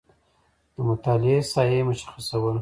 د مطالعې ساحه مشخصول